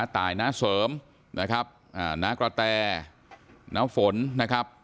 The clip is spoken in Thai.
ตายน้าเสริมนะครับน้ากระแตน้าฝนนะครับ